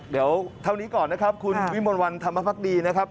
เดี๋ยวเท่านี้ก่อนนะครับคุณวิมลวันธรรมภักดีนะครับ